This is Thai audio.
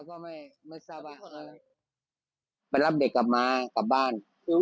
ก็ไม่ไม่สามารถไปรับเด็กกลับมากลับบ้าน